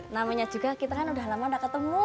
namanya juga kita kan udah lama udah ketemu